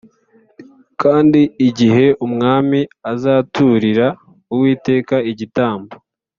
Kandi igihe umwami azaturira uwiteka igitambo